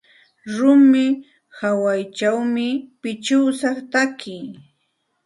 Rumi hawanćhawmi pichiwsa taki.